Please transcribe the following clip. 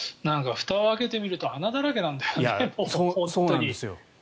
ふたを開けてみると穴だらけなんだよね。